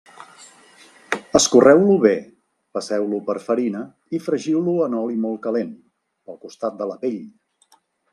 Escorreu-lo bé, passeu-lo per farina i fregiu-lo en oli molt calent, pel costat de la pell.